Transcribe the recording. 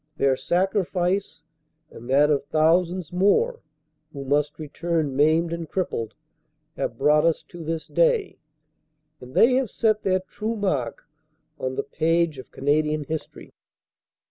Their sacri fice and that of thousands more who must return maimed and crippled have brought us to this day, and they have set their true mark on the page of Canadian history.